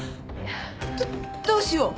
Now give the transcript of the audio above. どっどうしよう。